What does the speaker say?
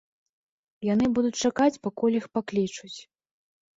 Яны будуць чакаць, пакуль іх паклічуць.